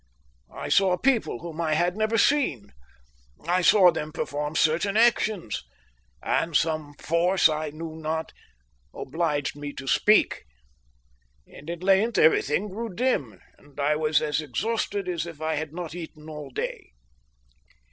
I saw people whom I had never seen. I saw them perform certain actions. And some force I knew not, obliged me to speak. And at length everything grew dim, and I was as exhausted as if I had not eaten all day."